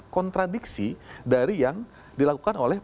kontradiksi dari yang dilakukan oleh